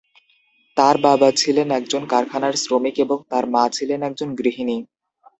তার বাবা ছিলেন একজন কারখানার শ্রমিক এবং তার মা ছিলেন একজন গৃহিণী।